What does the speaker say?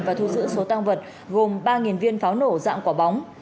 và thu giữ số tăng vật gồm ba viên pháo nổ dạng quả bóng